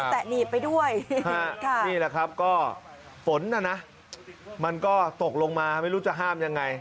แต่หนีบไปด้วยนี่แหละครับก็ฝนน่ะนะมันก็ตกลงมาไม่รู้จะห้ามยังไง